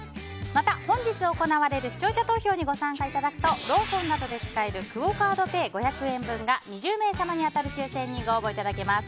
また、本日行われる視聴者投票にご参加いただくとローソンなどで使えるクオ・カードペイ５００円分が２０名様に当たる抽選にご応募いただけます。